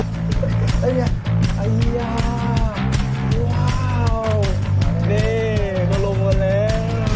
นี่ก็ลงกันแล้ว